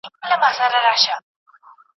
هم باندي جوړ سول لوی زیارتونه.